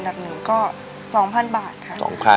ดับหนึ่งก็๒๐๐๐บาทค่ะ